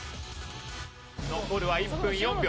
残るは１分４秒。